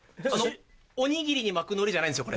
おにぎりに巻く海苔じゃないんですよ